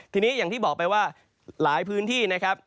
ทีนี้อย่างที่บอกไปว่าหลายพื้นที่นะครับ